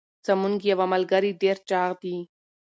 زمونږ یوه ملګري ډير چاغ دي.